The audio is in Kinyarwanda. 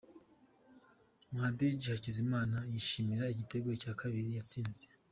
Muhadjili Hakizimana yishimira igitego cya kabiri yatsinze.